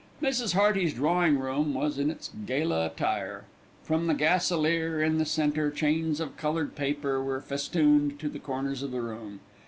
Mrs. Hearty's drawing room was in its gala attire. From the gasolier in the centre chains of coloured paper were festooned to the corners of the room.